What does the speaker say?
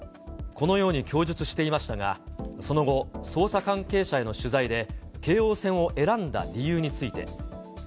このように供述していましたが、その後、捜査関係者への取材で、京王線を選んだ理由について。